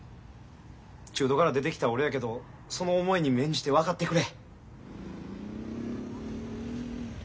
中途から出てきた俺やけどその思いに免じて分かってくれ。